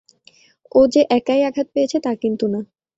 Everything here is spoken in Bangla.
ও যে একাই আঘাত পেয়েছে তা কিন্তু না।